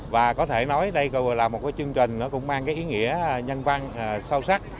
và có thể nói đây là một chương trình cũng mang ý nghĩa nhân văn sâu sắc